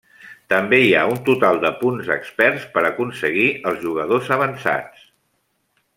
També hi ha un total de punts experts per aconseguir els jugadors avançats.